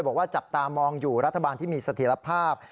บอกว่าจับตามองอยู่รัฐบาลที่มีเสถียรภาพ